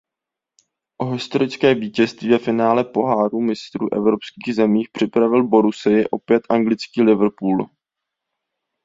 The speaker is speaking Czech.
O historické vítězství ve finále Poháru mistrů evropských zemí připravil Borussii opět anglický Liverpool.